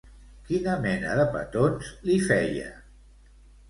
Quina mena de petons li feia?